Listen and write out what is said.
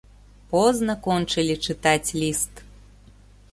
Позна кончылі чытаць ліст.